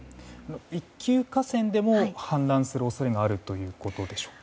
一級河川でも氾濫する恐れがあるんでしょうか。